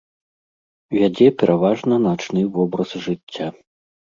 Вядзе пераважна начны вобраз жыцця.